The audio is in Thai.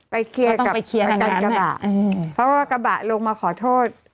ไปเคียร์กับกระบะเพราะว่ากระบะลงมาขอโทษ